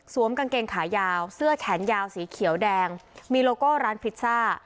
กางเกงขายาวเสื้อแขนยาวสีเขียวแดงมีโลโก้ร้านพิซซ่า